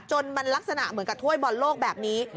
จนมันลักษณะเหมือนกับถ้วยบอลโลกแบบนี้